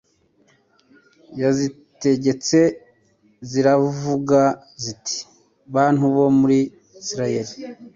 yazitegetse ziravuga ziti bantu bo muri Isirayeli